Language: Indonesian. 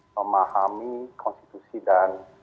memahami konstitusi dan